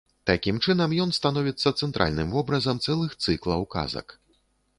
Такім чынам ён становіцца цэнтральным вобразам цэлых цыклаў казак.